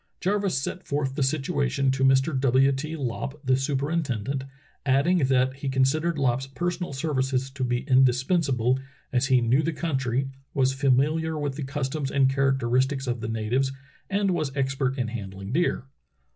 Jarvis set forth the situa tion to Mr. W. T. Lopp, the superintendent, adding that he considered Lopp's personal services to be indispensa ble, as he knew the country, was famihar with the cus toms and characteristics of the natives, and was expert in handling deer.